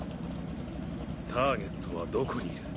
ターゲットはどこにいる？